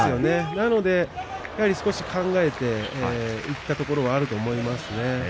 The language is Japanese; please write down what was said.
なので少し考えていったところがあると思いますね。